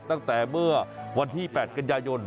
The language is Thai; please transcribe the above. ตั้งแต่เมื่อวันที่๘กันยายน